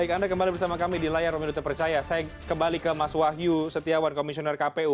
baik anda kembali bersama kami di layar pemilu terpercaya saya kembali ke mas wahyu setiawan komisioner kpu